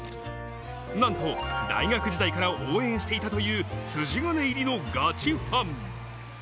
なんと大学時代から応援していたという筋金入りのガチファン。